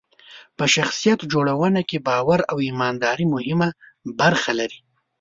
په شخصیت جوړونه کې باور او ایمانداري مهمه برخه لري.